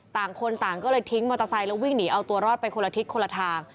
ต่างคนต่างก็เลยทิ้งมอเตอร์ไซค์แล้ววิ่งหนีเอาตัวรอดไปคนละทิศคนละทาง